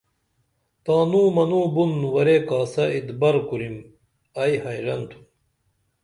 تانوں منوں بُن ورے کاسہ اتبر کُرِم ائی حیرن تُھم